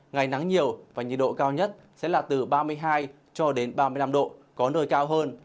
ngày nắng nhiều và nhiệt độ cao nhất sẽ là từ ba mươi hai cho đến ba mươi năm độ có nơi cao hơn